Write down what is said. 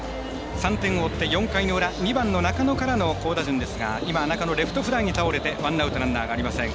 ３点を追って４回の裏２番の中野からの好打順ですが、中野はレフトフライに倒れてワンアウト、ランナーありません。